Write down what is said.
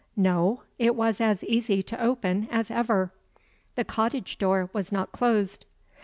No; it was as easy to open as ever. The cottage door was not closed.